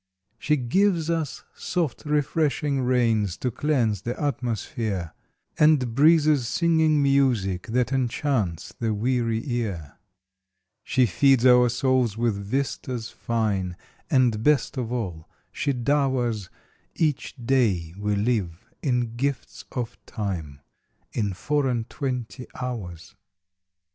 She gives us soft refreshing rains to cleanse the atmosphere, And breezes singing music that enchants the weary ear; She feeds our souls with vistas fine, and, best of all, she dowers Each day we live in gifts of time in four and twenty hours.